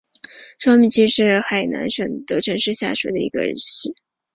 双滦区是河北省承德市下辖的一个市辖区。